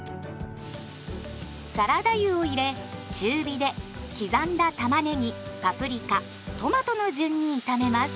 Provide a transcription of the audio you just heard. サラダ油を入れ中火で刻んだたまねぎパプリカトマトの順に炒めます。